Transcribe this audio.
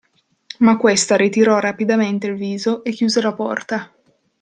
Ma questa ritirò rapidamente il viso e chiuse la porta.